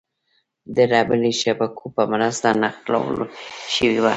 د رېلي شبکو په مرسته نښلول شوې وه.